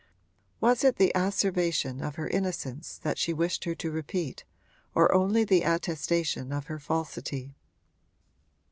Was it the asseveration of her innocence that she wished her to repeat, or only the attestation of her falsity?